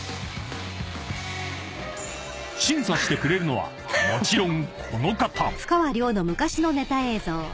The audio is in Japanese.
［審査してくれるのはもちろんこの方］